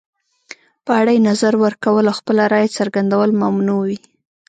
په اړه یې نظر ورکول او خپله رایه څرګندول ممنوع وي.